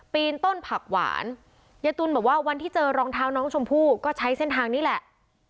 ปีนต้นผักหวานยายตุ๋นบอกว่าวันที่เจอรองเท้าน้องชมพู่ก็ใช้เส้นทางนี้แหละ